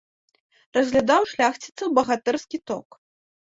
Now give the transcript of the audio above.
Разглядаў шляхціцаў багатырскі ток.